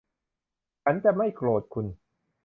ฉันจะไม่โกรธคุณ